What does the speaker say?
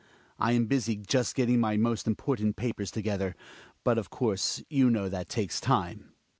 I am busy just getting my most important papers together. But, of course, you know that takes time.